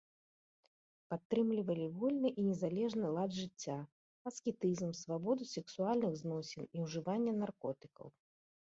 Падтрымлівалі вольны і незалежны лад жыцця, аскетызм, свабоду сексуальных зносін і ўжывання наркотыкаў.